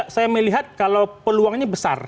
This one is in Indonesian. saya melihat kalau peluangnya besar